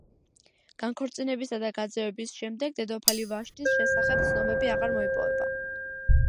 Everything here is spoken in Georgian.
განქორწინებისა და გაძევების შემდეგ, დედოფალი ვაშტის შესახებ ცნობები აღარ მოიპოვება.